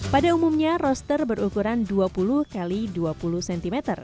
pada umumnya roster berukuran dua puluh x dua puluh cm